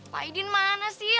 pak iden mana sih